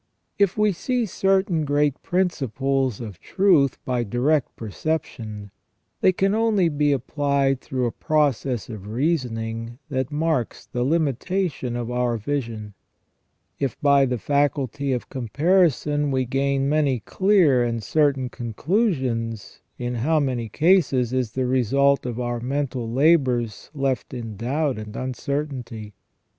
If we see certain great principles of truth by direct perception, they can only be applied through a process of reasoning that marks the limitation of our vision. If by the faculty of com parison we gain many clear and certain conclusions, in how many cases is the result of our mental labours left in doubt and uncertainty.